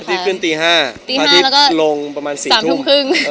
ประจำที่เงินตี๕ลงประมาณ๔ทุ่ม๓ทุ่มครึ่ง